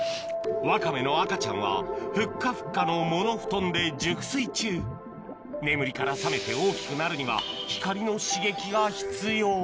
ワカメの赤ちゃんはふっかふっかの藻の布団で熟睡中眠りから覚めて大きくなるには光の刺激が必要